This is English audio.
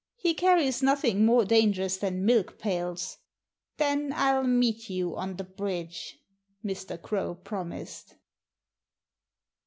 "He carries nothing more dangerous than milk pails." "Then I'll meet you on the bridge," Mr. Crow promised.